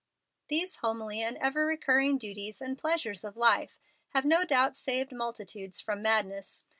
These homely and ever recurring duties and pleasures of life have no doubt saved multitudes from madness.